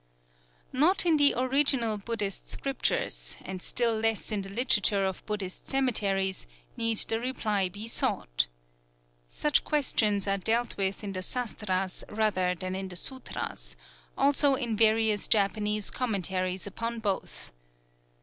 Not in the original Buddhist scriptures, and still less in the literature of Buddhist cemeteries, need the reply be sought. Such questions are dealt with in the sastras rather than in the sûtras; also in various Japanese commentaries upon both.